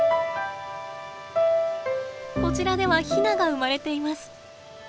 こちらではヒナが生まれています。